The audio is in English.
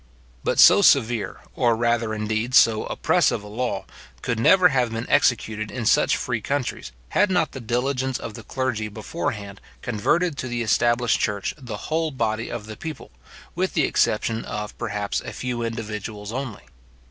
But so severe, or, rather, indeed, so oppressive a law, could never have been executed in such free countries, had not the diligence of the clergy beforehand converted to the established church the whole body of the people, with the exception of, perhaps, a few individuals only.